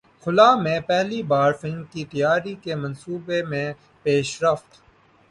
خلا میں پہلی بار فلم کی تیاری کے منصوبے میں پیشرفت